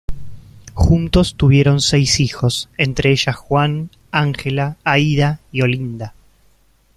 Juntos tuvieron seis hijos entre ellas Juan, Ángela, Aída y Olinda.